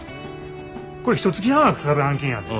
これひとつき半はかかる案件やで。